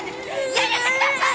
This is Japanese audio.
やめてください！